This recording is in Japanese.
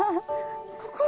ここ？